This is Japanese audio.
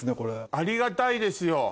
ありがたいですよ。